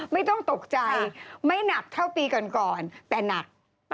ไม่ต้องตกใจไม่หนักเท่าปีก่อนแต่หนัก